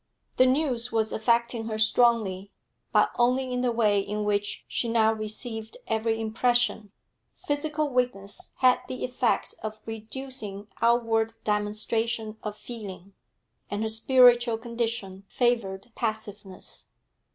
The news was affecting her strongly, but only in the way in which she now received every impression; physical weakness had the effect of reducing outward demonstration of feeling, and her spiritual condition favoured passiveness.